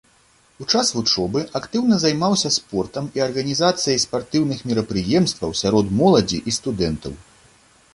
У час вучобы актыўна займаўся спортам і арганізацыяй спартыўных мерапрыемстваў сярод моладзі і студэнтаў.